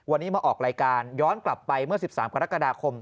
วันนี้มาออกรายการย้อนกลับไปเมื่อ๑๓กรกฎาคม